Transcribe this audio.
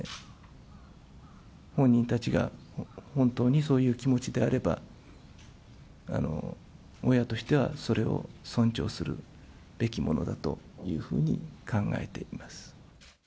本人たちが本当にそういう気持ちであれば、親としてはそれを尊重するべきものだというふうに考えています。